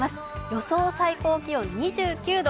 予想最高気温２９度。